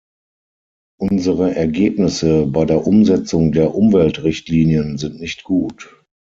Unsere Ergebnisse bei der Umsetzung der Umweltrichtlinien sind nicht gut.